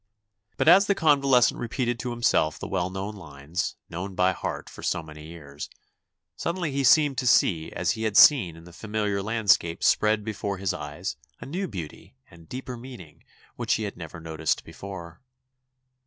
But as the convalescent re peated to himself the well known lineS; known by heart for SO many years, suddenly he seemed to see as he had seen in the familiar landscape spread before his eyes a new beauty and deeper meaning which he had never noticed before.